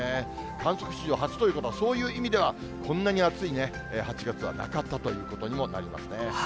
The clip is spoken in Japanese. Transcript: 観測史上初ということは、そういう意味ではこんなに暑いね、８月はなかったということにもなりますね。